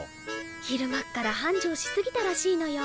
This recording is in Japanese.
昼間っから繁盛しすぎたらしいのよ。